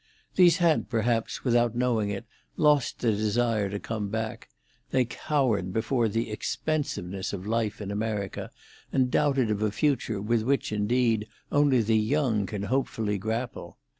These had, perhaps without knowing it, lost the desire to come back; they cowered before the expensiveness of life in America, and doubted of a future with which, indeed, only the young can hopefully grapple.